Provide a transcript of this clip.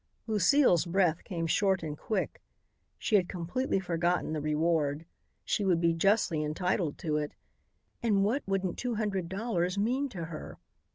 Lucile's breath came short and quick. She had completely forgotten the reward. She would be justly entitled to it. And what wouldn't two hundred dollars mean to her?